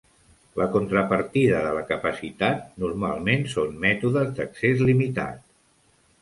La contrapartida de la capacitat normalment són mètodes d'accés limitat.